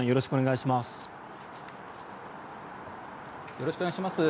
よろしくお願いします。